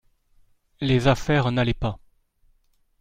les affaires n'allaient pas.